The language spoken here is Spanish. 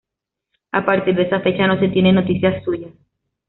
A partir de esa fecha no se tiene noticias suyas.